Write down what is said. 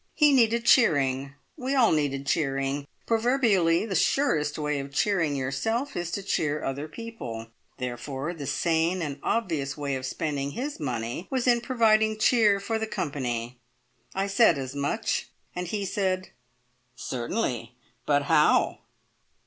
He needed cheering we all needed cheering; proverbially the surest way of cheering yourself is to cheer other people; therefore the sane and obvious way of spending his money was in providing cheer for the company. I said as much, and he said, "Certainly; but how?